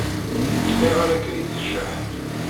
Ayɣer akka i tjaḥ?